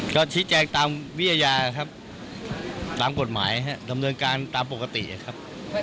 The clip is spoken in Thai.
ก็ชี้แจงตามวิทยาครับตามกฎหมายดำเนินการตามปกติครับ